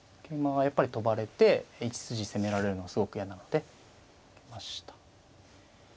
桂馬がやっぱり跳ばれて１筋攻められるのがすごく嫌なので受けました。